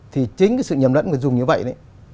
thì chính cái sự nhầm lẫn người dùng như vậy đấy